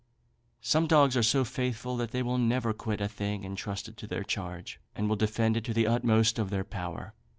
Some dogs are so faithful that they will never quit a thing entrusted to their charge, and will defend it to the utmost of their power.